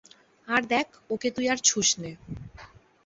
আর দ্যাখ ওকে তুই আর ছুসনে।